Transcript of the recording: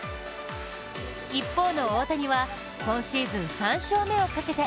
一方の大谷は今シーズン３勝目をかけて